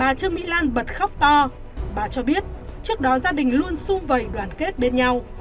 bà trương mỹ lan bật khóc to bà cho biết trước đó gia đình luôn xung vầy đoàn kết bên nhau